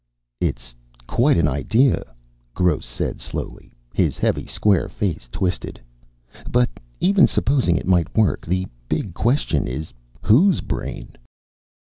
"It's quite an idea," Gross said slowly. His heavy square face twisted. "But even supposing it might work, the big question is whose brain?"